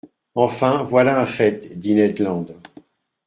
—Enfin, voilà un fait, dit Ned Land.